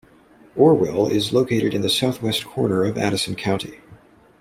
Orwell is located in the southwest corner of Addison County.